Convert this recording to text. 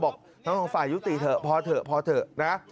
ทั้งสองฝ่ายยุติเถอะพอเถอะพอเถอะนะ